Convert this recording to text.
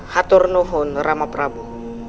haturnuhun rama prabu